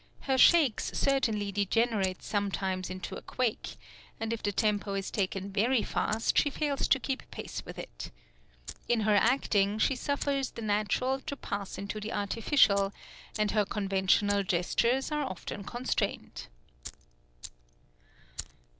Her shakes certainly degenerate sometimes into a quake, and if the tempo is taken very fast she fails to keep pace with it. In her acting she suffers the natural to pass into the artificial, and her conventional gestures are often constrained."